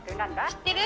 知ってる？